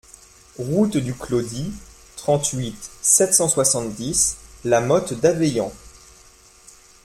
Route du Clodit, trente-huit, sept cent soixante-dix La Motte-d'Aveillans